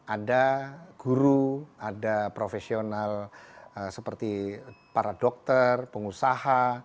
ada guru ada profesional seperti para dokter pengusaha